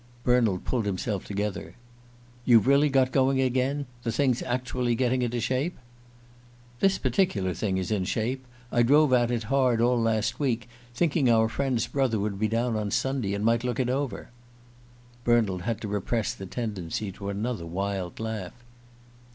Bernald pulled himself together. "You've really got going again? The thing's actually getting into shape?" "This particular thing is in shape. I drove at it hard all last week, thinking our friend's brother would be down on Sunday, and might look it over." Bernald had to repress the tendency to another wild laugh.